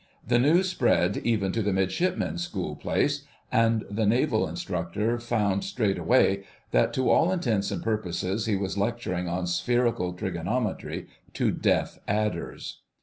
The news spread even to the Midshipmen's Schoolplace, and the Naval Instructor found straightway that to all intents and purposes he was lecturing on Spherical Trigonometry to deaf adders.